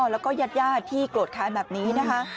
แล้วก็ญาติที่โกรธแค้นแบบนี้นะคะ